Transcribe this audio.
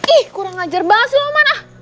ih kurang ajar bahas lo manah